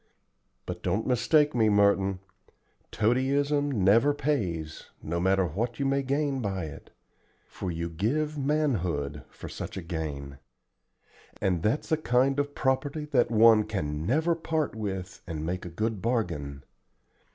But don't mistake me, Merton, toadyism never pays, no matter what you may gain by it; for you give manhood for such gain, and that's a kind of property that one can never part with and make a good bargain.